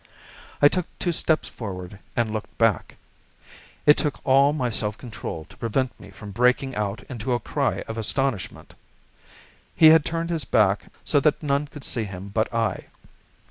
I took two steps forward and looked back. It took all my self control to prevent me from breaking out into a cry of astonishment. He had turned his back so that none could see him but I.